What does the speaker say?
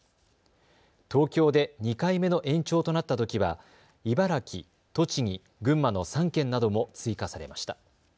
東京で２回目の延長となったときは茨城、栃木、群馬の３県なども追加されました。